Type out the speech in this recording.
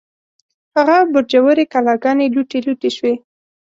هغه برجورې کلاګانې، لوټې لوټې شوې